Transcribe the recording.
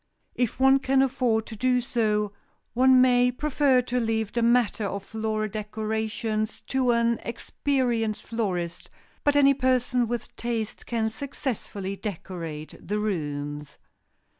If one can afford to do so, one may prefer to leave the matter of floral decorations to an experienced florist, but any person with taste can successfully decorate the rooms.